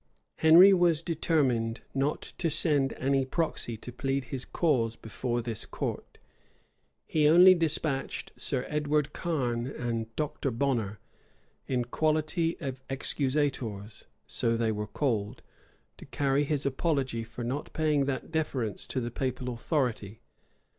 Henry was determined not to send any proxy to plead his cause before this court: he only despatched Sir Edward Karne and Dr. Bonner, in quality of excusators, (so they were called,) to carry his apology, for not paying that deference to the papal authority.